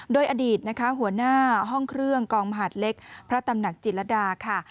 โดยอดีตนะคะหัวหน้าห้องเครื่องกองมหาดเล็กพระตำหนักจิตรดาค่ะ